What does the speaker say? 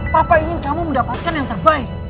papa ingin kamu mendapatkan yang terbaik